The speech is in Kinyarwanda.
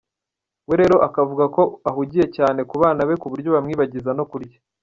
we rero akavuga ko ahugiye cyane ku bana be ku buryo bimwibagiza no kurya.